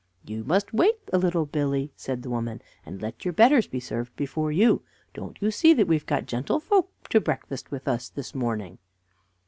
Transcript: "You must wait a little, Billy," said the woman, "and let your betters be served before you. Don't you see that we have got gentlefolks to breakfast with us this morning?"